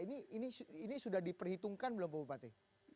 ini sudah diperhitungkan belum pak bupati